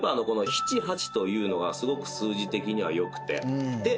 七八というのがすごく数字的にはよくて。